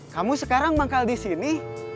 kamu sekarang manggal di sini